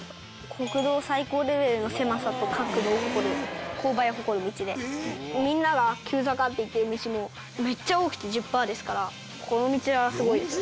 国道最高レベルの狭さと角度を誇る勾配を誇る道でみんなが急坂っていってる道もめっちゃ多くて１０パーですからこの道はすごいですよ。